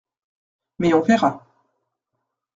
Mais on verra.